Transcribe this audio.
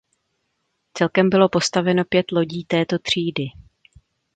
Celkem bylo postaveno pět lodí této třídy.